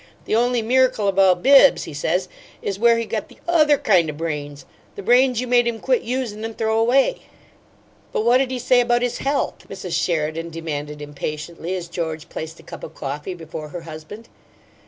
The only miracle about Bibbs,' he says, 'is where he got the OTHER kind o' brains the brains you made him quit usin' and throw away.'" "But what'd he say about his health?" Mrs. Sheridan demanded, impatiently, as George placed a cup of coffee before her husband.